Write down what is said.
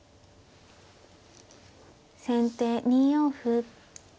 先手２四歩。